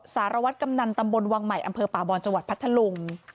สารวัตรกำนันตำบลวังใหม่อำเภอป่าบอนจังหวัดพัทธลุง